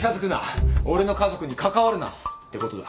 俺の家族に関わるな！ってことだ。